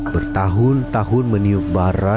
bertahun tahun meniup barang